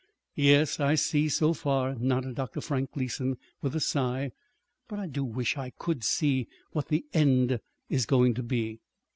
"Yes, I see so far," nodded Dr. Frank Gleason with a sigh. "But I do wish I could see what the end is going to be."